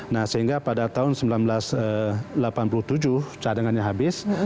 nah sehingga pada tahun seribu sembilan ratus delapan puluh tujuh cadangannya habis